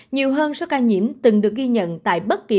nhiều hơn số ca nhiễm từng được ghi nhận tại bất kỳ